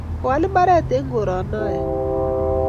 kaal mbaree en koronoe